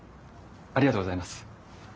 ありがとうございます。